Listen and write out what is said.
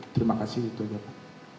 terima kasih itu saja pak